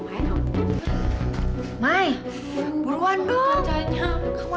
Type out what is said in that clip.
aduh mami gausah itu paksa